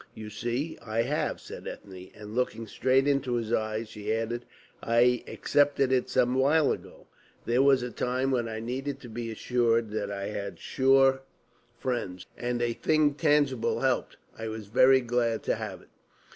"You see I have," said Ethne, and looking straight into his eyes she added: "I accepted it some while ago. There was a time when I needed to be assured that I had sure friends. And a thing tangible helped. I was very glad to have it."